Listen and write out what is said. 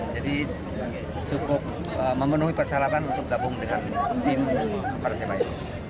jadi cukup memenuhi persyaratan untuk gabung dengan tim persebaya